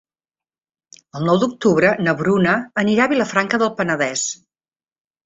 El nou d'octubre na Bruna anirà a Vilafranca del Penedès.